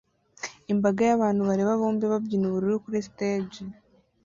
Imbaga y'abantu bareba bombi babyina ubururu kuri stage